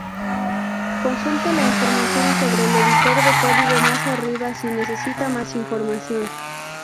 Consulte la información sobre el editor de código más arriba si necesita más información.